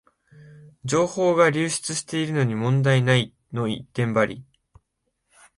情報が流出してるのに問題ないの一点張り